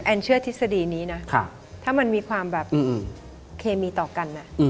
เชื่อทฤษฎีนี้นะถ้ามันมีความแบบเคมีต่อกัน